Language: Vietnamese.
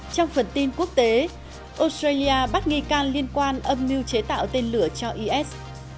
trong phần tin quốc tế australia bắt nghi can liên quan âm mưu chế tạo tên lửa cho is